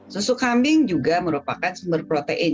susu kambing juga merupakan sumber protein